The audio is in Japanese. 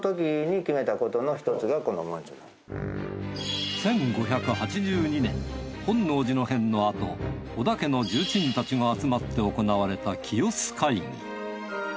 １５８２年本能寺の変のあと織田家の重鎮たちが集まって行われた清洲会議。